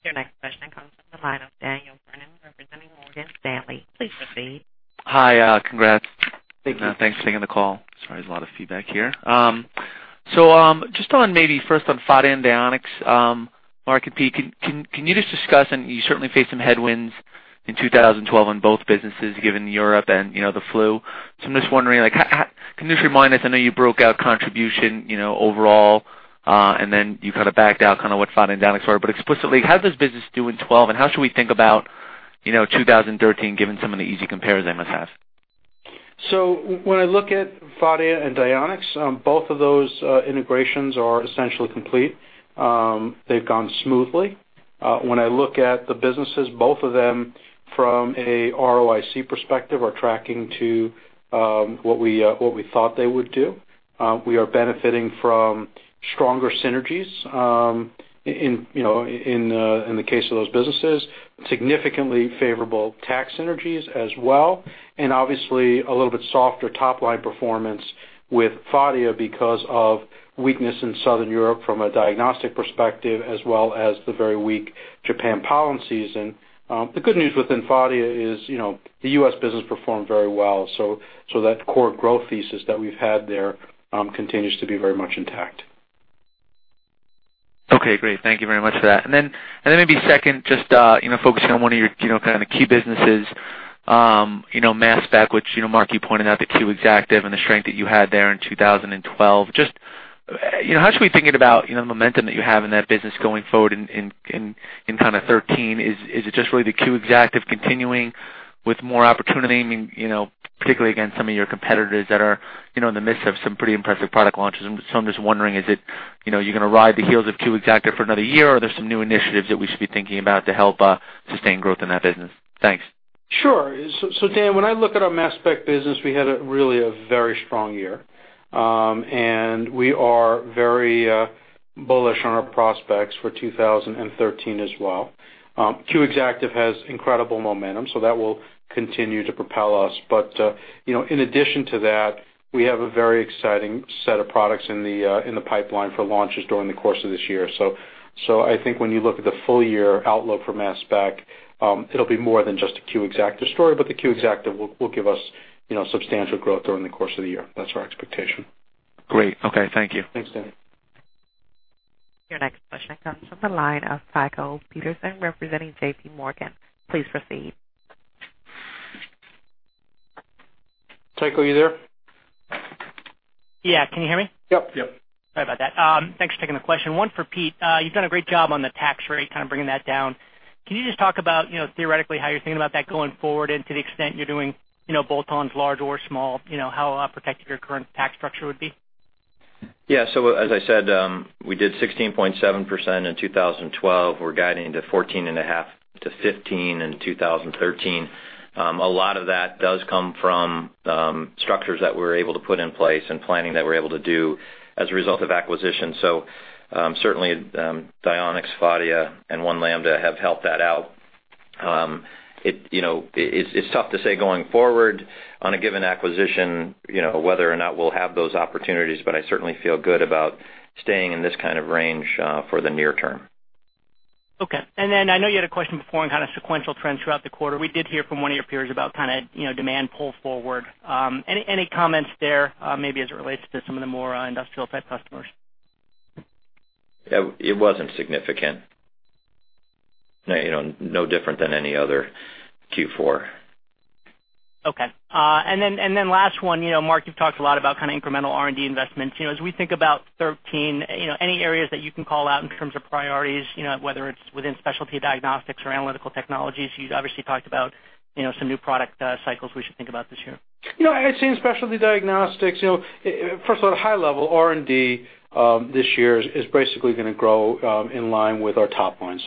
Your next question comes from the line of Daniel Brennan representing Morgan Stanley. Please proceed. Hi. Congrats. Thank you. Thanks for taking the call. Sorry, there's a lot of feedback here. Just on maybe first on Phadia and Dionex Corporation, Marc Casper and Peter Wilver, can you just discuss, you certainly faced some headwinds in 2012 on both businesses given Europe and the flu. I'm just wondering, can you just remind us, I know you broke out contribution overall, then you backed out what Phadia and Dionex Corporation were. But explicitly, how's this business doing in 2012, and how should we think about 2013 given some of the easy compares they must have? When I look at Phadia and Dionex Corporation, both of those integrations are essentially complete. They've gone smoothly. When I look at the businesses, both of them, from a ROIC perspective, are tracking to what we thought they would do. We are benefiting from stronger synergies in the case of those businesses, significantly favorable tax synergies as well, and obviously a little bit softer top-line performance with Phadia because of weakness in Southern Europe from a diagnostic perspective, as well as the very weak Japan pollen season. The good news within Phadia is the U.S. business performed very well, that core growth thesis that we've had there continues to be very much intact. Okay, great. Thank you very much for that. Then maybe second, just focusing on one of your kind of key businesses, mass spec, which Marc Casper, you pointed out the Q Exactive and the strength that you had there in 2012. Just how should we be thinking about the momentum that you have in that business going forward in kind of 2013? Is it just really the Q Exactive continuing with more opportunity, particularly against some of your competitors that are in the midst of some pretty impressive product launches? I'm just wondering, are you going to ride the heels of Q Exactive for another year, or are there some new initiatives that we should be thinking about to help sustain growth in that business? Thanks. Dan, when I look at our mass spec business, we had really a very strong year. We are very bullish on our prospects for 2013 as well. Q Exactive has incredible momentum, that will continue to propel us. In addition to that, we have a very exciting set of products in the pipeline for launches during the course of this year. I think when you look at the full-year outlook for mass spec, it'll be more than just a Q Exactive story, but the Q Exactive will give us substantial growth during the course of the year. That's our expectation. Great. Okay. Thank you. Thanks, Dan. Your next question comes from the line of Tycho Peterson representing J.P. Morgan. Please proceed. Tycho, are you there? Yeah. Can you hear me? Yep. Sorry about that. Thanks for taking the question. One for Pete. You've done a great job on the tax rate, kind of bringing that down. Can you just talk about theoretically how you're thinking about that going forward and to the extent you're doing bolt-ons, large or small, how protective your current tax structure would be? Yeah. As I said, we did 16.7% in 2012. We're guiding to 14.5%-15% in 2013. A lot of that does come from structures that we were able to put in place and planning that we were able to do as a result of acquisition. Certainly Dionex, Phadia, and One Lambda have helped that out. It's tough to say going forward on a given acquisition, whether or not we'll have those opportunities, but I certainly feel good about staying in this kind of range for the near term. Okay. I know you had a question before on kind of sequential trends throughout the quarter. We did hear from one of your peers about kind of demand pull forward. Any comments there, maybe as it relates to some of the more industrial type customers? It wasn't significant. No different than any other Q4. Okay. Last one, Marc, you've talked a lot about kind of incremental R&D investments. As we think about 2013, any areas that you can call out in terms of priorities, whether it's within specialty diagnostics or analytical technologies? You'd obviously talked about some new product cycles we should think about this year. I'd say in specialty diagnostics, first of all, at a high level, R&D this year is basically going to grow in line with our top line.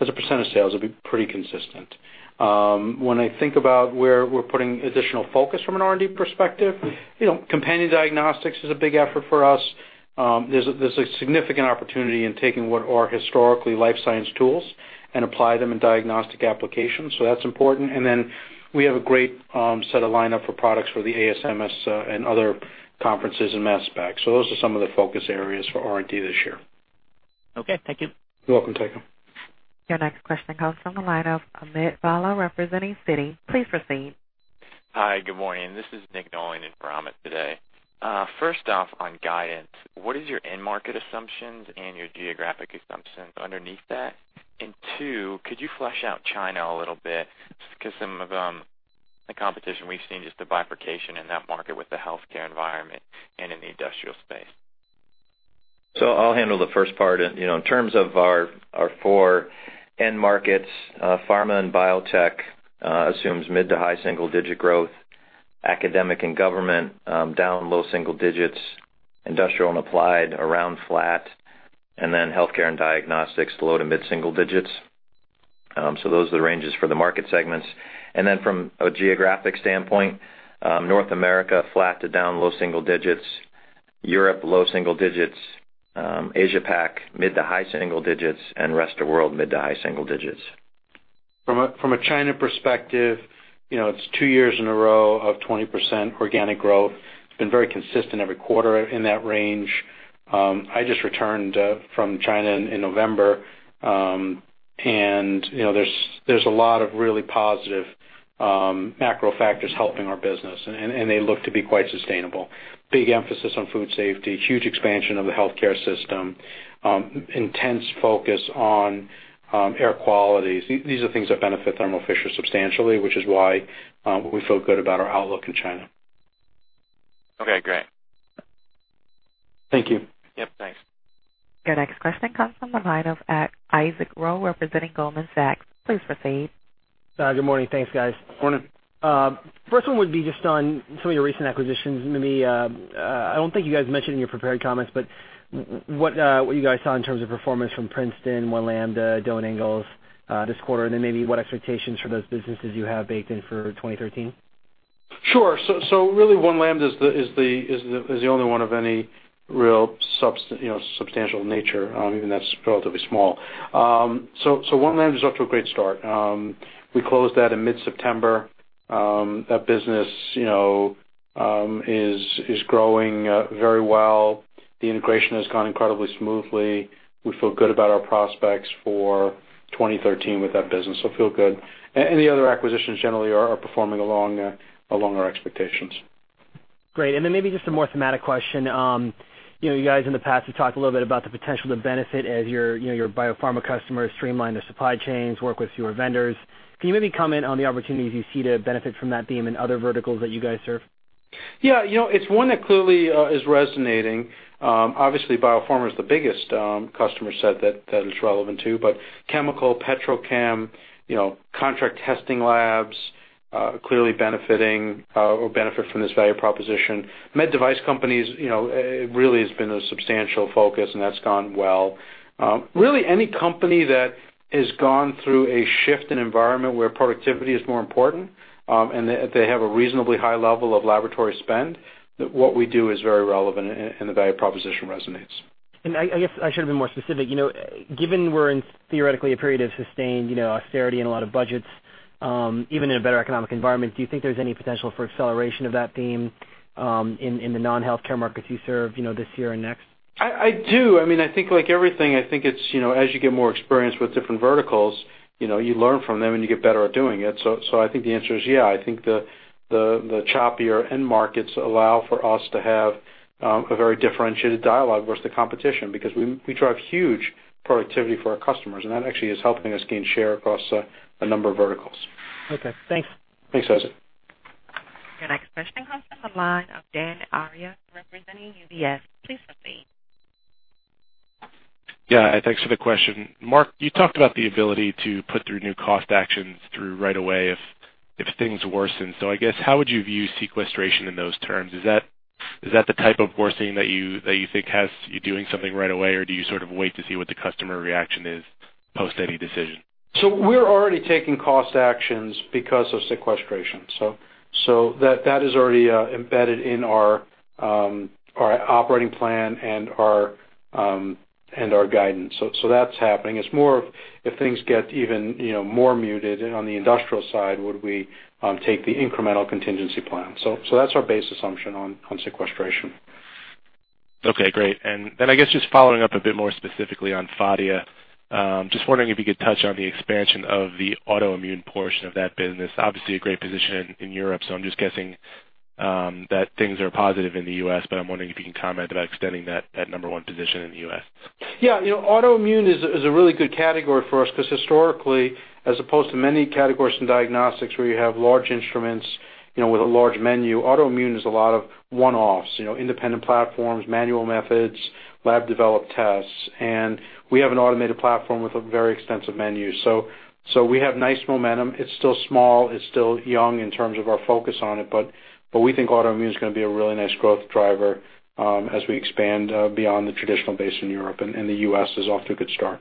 As a percent of sales, it'll be pretty consistent. When I think about where we're putting additional focus from an R&D perspective, companion diagnostics is a big effort for us. There's a significant opportunity in taking what are historically life science tools and apply them in diagnostic applications. That's important. We have a great set of lineup for products for the ASMS and other conferences in Mass Spec. Those are some of the focus areas for R&D this year. Okay, thank you. You're welcome, Tycho. Your next question comes from the line of Amit Bhalla, representing Citi. Please proceed. Hi, good morning. This is Nick Nolan in for Amit today. First off, on guidance, what is your end market assumptions and your geographic assumptions underneath that? Two, could you flesh out China a little bit? Just because some of the competition, we've seen just the bifurcation in that market with the healthcare environment and in the industrial space. I'll handle the first part. In terms of our four end markets, pharma and biotech assumes mid to high single-digit growth. Academic and government, down low single-digits, industrial and applied, around flat, healthcare and diagnostics, low to mid single-digits. Those are the ranges for the market segments. From a geographic standpoint, North America, flat to down low single-digits, Europe, low single-digits, Asia Pac, mid to high single-digits, and rest of world, mid to high single-digits. From a China perspective, it's two years in a row of 20% organic growth. It's been very consistent every quarter in that range. I just returned from China in November. There's a lot of really positive macro factors helping our business, and they look to be quite sustainable. Big emphasis on food safety, huge expansion of the healthcare system, intense focus on air quality. These are things that benefit Thermo Fisher substantially, which is why we feel good about our outlook in China. Okay, great. Thank you. Yep, thanks. Your next question comes from the line of Isaac Ro, representing Goldman Sachs. Please proceed. Good morning. Thanks, guys. Morning. First one would be just on some of your recent acquisitions. Maybe, I don't think you guys mentioned in your prepared comments, but what you guys saw in terms of performance from Princeton, One Lambda, Doe & Ingalls this quarter, and then maybe what expectations for those businesses you have baked in for 2013? Sure. Really, One Lambda is the only one of any real substantial nature, even that's relatively small. One Lambda's off to a great start. We closed that in mid-September. That business is growing very well. The integration has gone incredibly smoothly. We feel good about our prospects for 2013 with that business, so feel good. The other acquisitions generally are performing along our expectations. Great. Maybe just a more thematic question. You guys in the past have talked a little bit about the potential to benefit as your biopharma customers streamline their supply chains, work with fewer vendors. Can you maybe comment on the opportunities you see to benefit from that theme in other verticals that you guys serve? Yeah. It's one that clearly is resonating. Obviously biopharma is the biggest customer set that it's relevant to, but chemical, petrochem, contract testing labs clearly benefiting or benefit from this value proposition. Med device companies, really has been a substantial focus, and that's gone well. Really any company that has gone through a shift in environment where productivity is more important, and they have a reasonably high level of laboratory spend, that what we do is very relevant and the value proposition resonates. I guess I should've been more specific. Given we're in, theoretically, a period of sustained austerity in a lot of budgets, even in a better economic environment, do you think there's any potential for acceleration of that theme in the non-healthcare markets you serve this year and next? I do. I think like everything, I think it's as you get more experience with different verticals, you learn from them and you get better at doing it. I think the answer is yeah. I think the choppier end markets allow for us to have a very differentiated dialogue versus the competition because we drive huge productivity for our customers, and that actually is helping us gain share across a number of verticals. Okay, thanks. Thanks, Isaac. Your next question comes from the line of Dan Arias, representing UBS. Please proceed. Yeah, thanks for the question. Marc, you talked about the ability to put through new cost actions through right away if things worsen. I guess, how would you view sequestration in those terms? Is that the type of worsening that you think has you doing something right away? Or do you sort of wait to see what the customer reaction is post any decision? We're already taking cost actions because of sequestration. That is already embedded in our operating plan and our guidance. That's happening. It's more of if things get even more muted on the industrial side, would we take the incremental contingency plan? That's our base assumption on sequestration. Okay, great. I guess just following up a bit more specifically on Phadia, just wondering if you could touch on the expansion of the autoimmune portion of that business. Obviously a great position in Europe, I'm just guessing that things are positive in the U.S. but I'm wondering if you can comment about extending that number one position in the U.S. Yeah. Autoimmune is a really good category for us because historically, as opposed to many categories in diagnostics where you have large instruments with a large menu, autoimmune is a lot of one-offs, independent platforms, manual methods, lab-developed tests, and we have an automated platform with a very extensive menu. We have nice momentum. It's still small. It's still young in terms of our focus on it, but we think autoimmune is going to be a really nice growth driver as we expand beyond the traditional base in Europe, and the U.S. is off to a good start.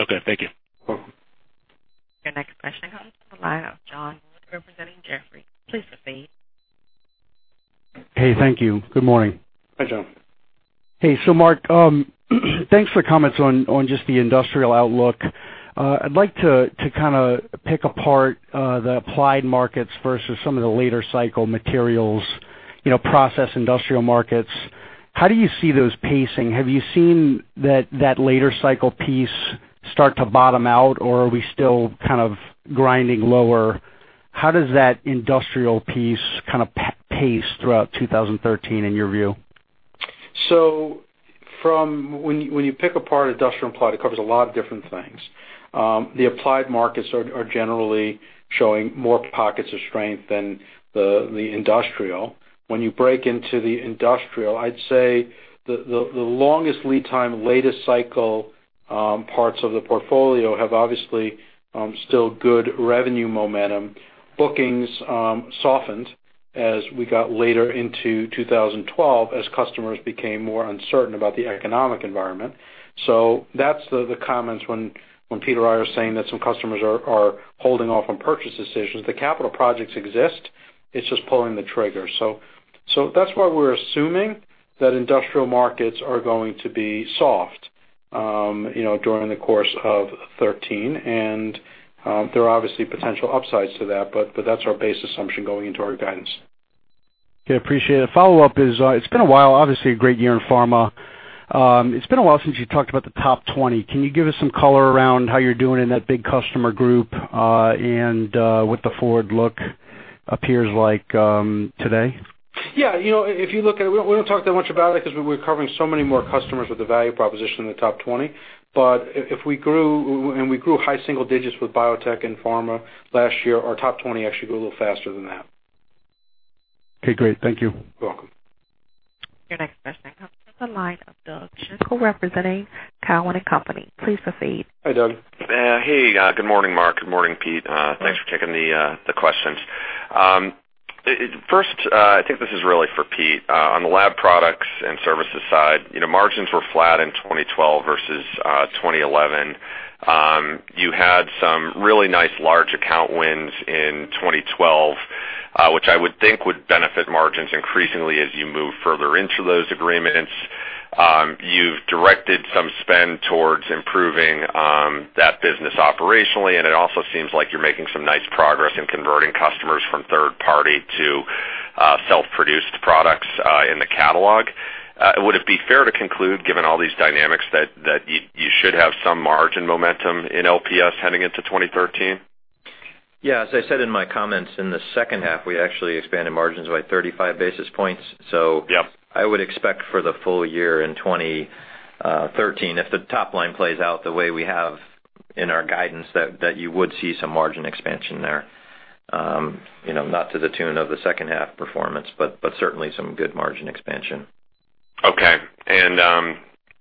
Okay, thank you. Welcome. Your next question comes from the line of Jon Wood representing Jefferies. Please proceed. Hey, thank you. Good morning. Hi, Jon. Hey. Marc, thanks for comments on just the industrial outlook. I'd like to pick apart the applied markets versus some of the later cycle materials, process industrial markets. How do you see those pacing? Have you seen that later cycle piece start to bottom out, or are we still kind of grinding lower? How does that industrial piece kind of pace throughout 2013 in your view? When you pick apart industrial applied, it covers a lot of different things. The applied markets are generally showing more pockets of strength than the industrial. When you break into the industrial, I'd say the longest lead time, latest cycle parts of the portfolio have obviously still good revenue momentum. Bookings softened as we got later into 2012 as customers became more uncertain about the economic environment. That's the comments when Peter Wilver and I are saying that some customers are holding off on purchase decisions. The capital projects exist. It's just pulling the trigger. That's why we're assuming that industrial markets are going to be soft during the course of 2013, and there are obviously potential upsides to that but that's our base assumption going into our guidance. Okay, appreciate it. Follow-up is, it's been a while, obviously a great year in pharma. It's been a while since you talked about the top 20. Can you give us some color around how you're doing in that big customer group, and what the forward look appears like today? Yeah. We don't talk that much about it because we're covering so many more customers with the value proposition in the top 20. If we grew, and we grew high single digits with biotech and pharma last year, our top 20 actually grew a little faster than that. Okay, great. Thank you. You're welcome. Your next question comes from the line of Doug Schenkel representing Cowen and Company. Please proceed. Hi, Doug. Hey, good morning, Marc. Good morning, Pete. Hi. Thanks for taking the questions. First, I think this is really for Pete. On the lab products and services side, margins were flat in 2012 versus 2011. You had some really nice large account wins in 2012, which I would think would benefit margins increasingly as you move further into those agreements. You've directed some spend towards improving that business operationally, and it also seems like you're making some nice progress in converting customers from third party to self-produced products in the catalog. Would it be fair to conclude, given all these dynamics, that you should have some margin momentum in LPS heading into 2013? Yeah. As I said in my comments in the second half, we actually expanded margins by 35 basis points. Yep. I would expect for the full year in 2013, if the top line plays out the way we have in our guidance, that you would see some margin expansion there. Not to the tune of the second half performance, but certainly some good margin expansion. Okay.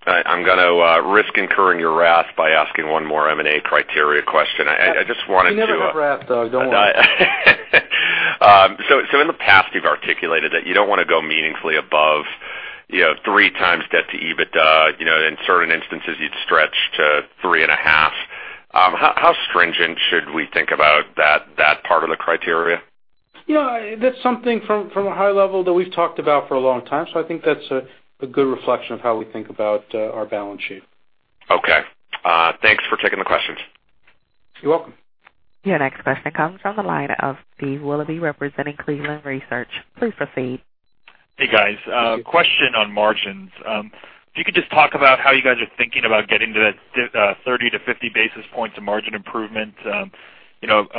I'm going to risk incurring your wrath by asking one more M&A criteria question. You never have wrath, Doug. Don't worry. In the past, you've articulated that you don't want to go meaningfully above 3x debt to EBITDA. In certain instances, you'd stretch to 3.5. How stringent should we think about that part of the criteria? That's something from a high level that we've talked about for a long time, so I think that's a good reflection of how we think about our balance sheet. Okay. Thanks for taking the questions. You're welcome. Your next question comes from the line of Steve Willoughby representing Cleveland Research. Please proceed. Hey, guys. Hi, Steve. Question on margins. If you could just talk about how you guys are thinking about getting to that 30-50 basis points of margin improvement.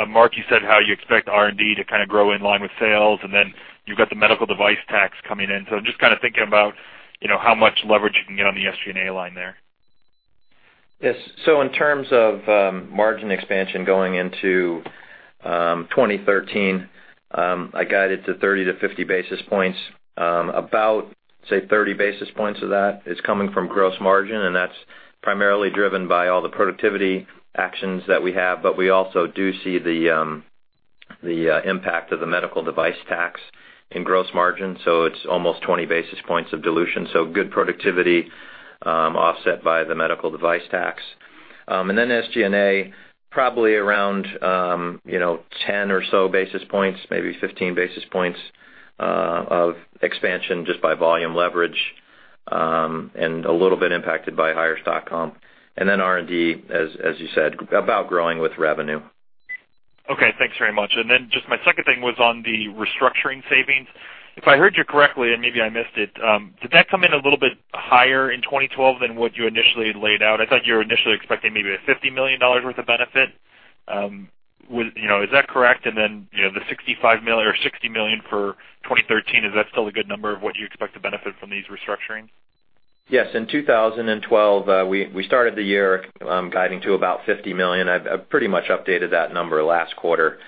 Marc, you said how you expect R&D to grow in line with sales, and then you've got the medical device tax coming in. I'm just thinking about how much leverage you can get on the SG&A line there. Yes. In terms of margin expansion going into 2013, I guide it to 30 to 50 basis points. About. Say 30 basis points of that is coming from gross margin, and that's primarily driven by all the productivity actions that we have. We also do see the impact of the medical device tax in gross margin. It's almost 20 basis points of dilution. Good productivity offset by the medical device tax. SG&A, probably around 10 or so basis points, maybe 15 basis points of expansion just by volume leverage, and a little bit impacted by higher stock comp. R&D, as you said, about growing with revenue. Okay, thanks very much. Just my second thing was on the restructuring savings. If I heard you correctly, and maybe I missed it, did that come in a little bit higher in 2012 than what you initially laid out? I thought you were initially expecting maybe $50 million worth of benefit. Is that correct? The $65 million or $60 million for 2013, is that still a good number of what you expect to benefit from these restructurings? Yes. In 2012, we started the year guiding to about $50 million. I pretty much updated that number last quarter.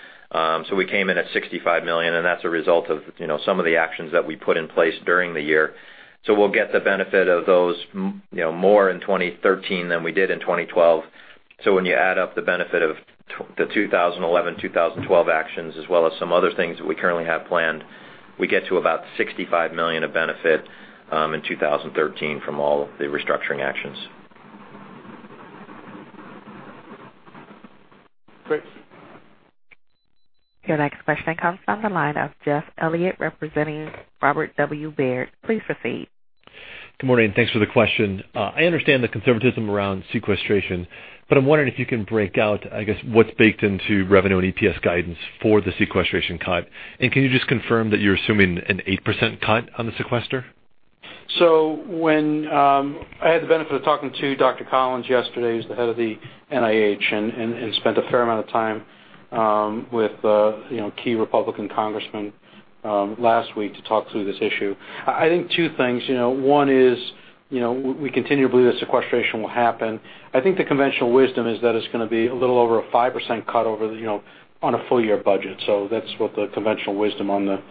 We came in at $65 million, and that's a result of some of the actions that we put in place during the year. We'll get the benefit of those more in 2013 than we did in 2012. When you add up the benefit of the 2011, 2012 actions as well as some other things that we currently have planned, we get to about $65 million of benefit in 2013 from all the restructuring actions. Great. Your next question comes from the line of Jeff Elliott, representing Robert W. Baird. Please proceed. Good morning. Thanks for the question. I understand the conservatism around sequestration, I'm wondering if you can break out, I guess, what's baked into revenue and EPS guidance for the sequestration cut. Can you just confirm that you're assuming an 8% cut on the sequester? I had the benefit of talking to Dr. Collins yesterday, who's the head of the NIH, spent a fair amount of time with key Republican congressmen last week to talk through this issue. I think two things. One is, we continue to believe that sequestration will happen. I think the conventional wisdom is that it's going to be a little over a 5% cut over on a full-year budget. That's what the conventional wisdom on the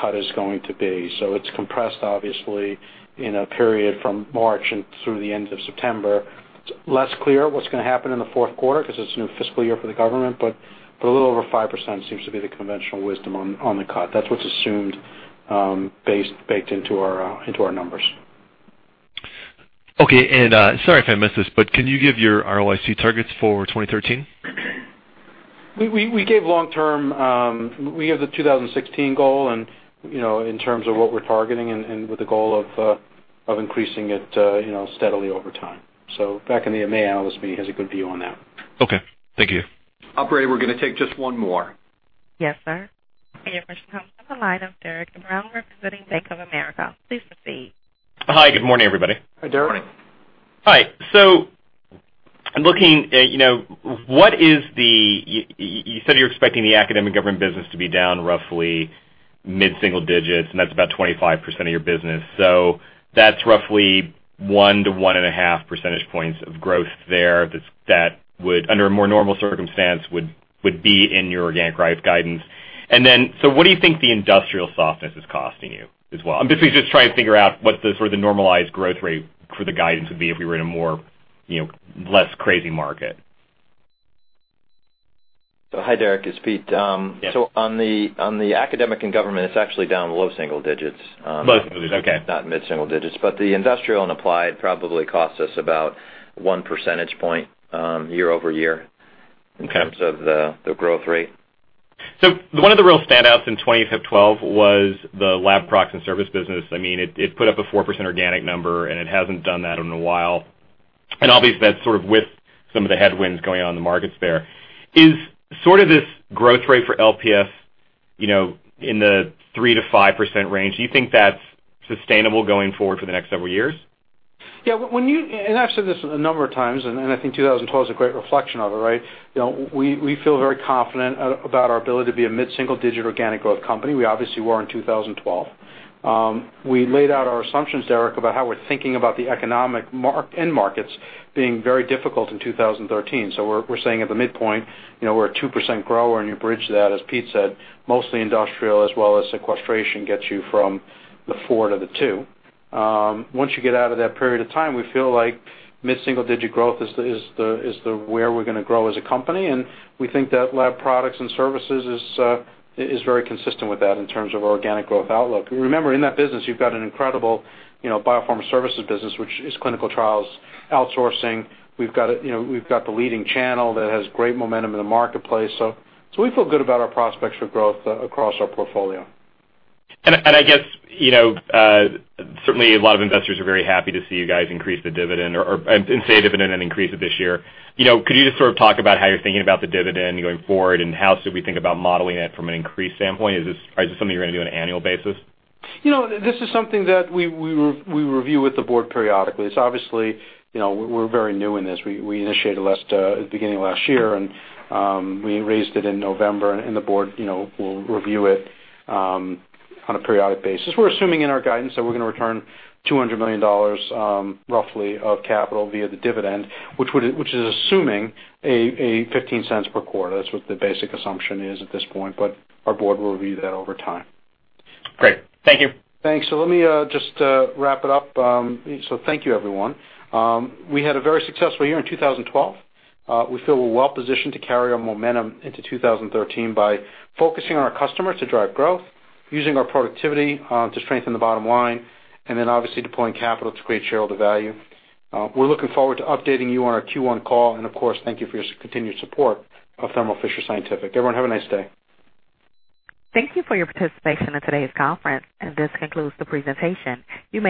cut is going to be. It's compressed, obviously, in a period from March and through the end of September. It's less clear what's going to happen in the fourth quarter because it's a new fiscal year for the government, a little over 5% seems to be the conventional wisdom on the cut. That's what's assumed baked into our numbers. Okay. Sorry if I missed this, Can you give your ROIC targets for 2013? We gave the 2016 goal, and in terms of what we're targeting and with the goal of increasing it steadily over time. Back in the May analyst meeting has a good view on that. Okay, thank you. Operator, we're going to take just one more. Yes, sir. Your question comes from the line of Derik De Bruin representing Bank of America. Please proceed. Hi, good morning, everybody. Hi, Derik. Morning. Hi. I'm looking at, you said you're expecting the academic government business to be down roughly mid-single digits, and that's about 25% of your business. That's roughly one to one and a half percentage points of growth there that would, under a more normal circumstance, would be in your organic growth guidance. What do you think the industrial softness is costing you as well? I'm basically just trying to figure out what the sort of the normalized growth rate for the guidance would be if we were in a less crazy market. Hi, Derek, it's Pete. Yes. On the academic and government, it's actually down low single digits. Low single digits, okay. Not mid-single digits. The industrial and applied probably cost us about one percentage point year-over-year in terms of the growth rate. One of the real standouts in 2012 was the lab products and services business. I mean, it put up a 4% organic number, and it hasn't done that in a while. Obviously, that's sort of with some of the headwinds going on in the markets there. Is sort of this growth rate for LPS in the 3%-5% range? Do you think that's sustainable going forward for the next several years? Yeah. When you, and I've said this a number of times, and I think 2012 is a great reflection of it, right? We feel very confident about our ability to be a mid-single-digit organic growth company. We obviously were in 2012. We laid out our assumptions, Derek, about how we're thinking about the economic end markets being very difficult in 2013. We're saying at the midpoint we're a 2% grower, and you bridge that, as Pete said, mostly industrial as well as sequestration gets you from the 4% to the 2%. Once you get out of that period of time, we feel like mid-single-digit growth is where we're going to grow as a company, and we think that lab products and services is very consistent with that in terms of organic growth outlook. Remember, in that business, you've got an incredible biopharma services business, which is clinical trials outsourcing. We've got the leading channel that has great momentum in the marketplace. We feel good about our prospects for growth across our portfolio. I guess certainly a lot of investors are very happy to see you guys increase the dividend or pay a dividend and increase it this year. Could you just sort of talk about how you're thinking about the dividend going forward, and how should we think about modeling it from an increased standpoint? Is this something you're going to do on an annual basis? This is something that we review with the board periodically. Obviously, we're very new in this. We initiated it at the beginning of last year, and we raised it in November, and the board will review it on a periodic basis. We're assuming in our guidance that we're going to return $200 million roughly of capital via the dividend, which is assuming a $0.15 per quarter. That's what the basic assumption is at this point, but our board will review that over time. Great. Thank you. Thanks. Let me just wrap it up. Thank you, everyone. We had a very successful year in 2012. We feel we're well-positioned to carry our momentum into 2013 by focusing on our customers to drive growth, using our productivity to strengthen the bottom line, obviously deploying capital to create shareholder value. We're looking forward to updating you on our Q1 call, of course, thank you for your continued support of Thermo Fisher Scientific. Everyone, have a nice day. Thank you for your participation in today's conference, this concludes the presentation. You may